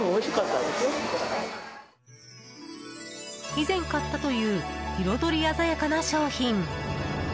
以前、買ったという彩り鮮やかな商品。